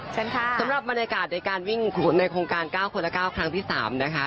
สำหรับบรรยากาศในการวิ่งในโครงการเก้าคนละเก้าครั้งที่สามนะคะ